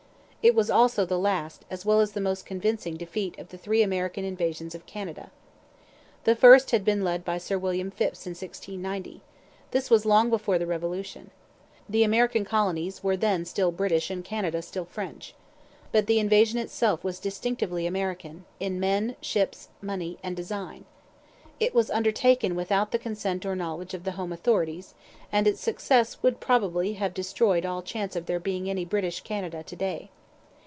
It was also the last, as well as the most convincing, defeat of the three American invasions of Canada. The first had been led by Sir William Phips in 1690. This was long before the Revolution. The American Colonies were then still British and Canada still French. But the invasion itself was distinctively American, in men, ships, money, and design. It was undertaken without the consent or knowledge of the home authorities; and its success would probably have destroyed all chance of there being any British Canada to day.